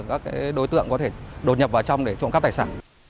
các đối tượng có thể đột nhập vào trong để trộm cắp tài sản